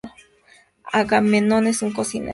Agamenón es un cocinero